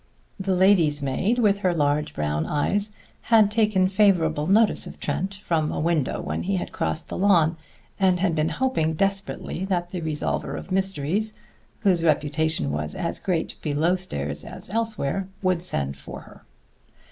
The lady's maid, with her large brown eyes, had taken favorable notice of Trent from a window when he had crossed the lawn, and had been hoping desperately that the resolver of mysteries (whose reputation was as great below stairs as elsewhere) would send for her.